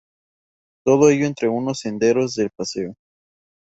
Todo ello entre unos senderos de paseo.